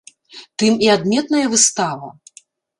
Тым і адметная выстава.